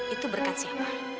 itu berkat siapa